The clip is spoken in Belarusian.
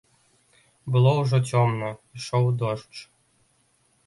Было ўжо цёмна, ішоў дождж.